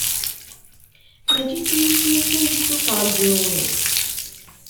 Mačči s yisem-ik i nessufuɣ leǧnun?